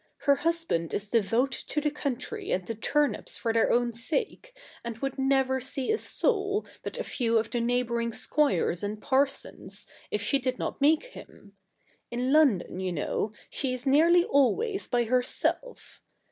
Her husband is devoted to the country and the turnips for their own sake, and would never see a soul but a few of the neighbour ing squires and parsons, if she did not make him. In London, you know, she is nearly always by herself.